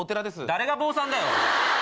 誰が坊さんだよ！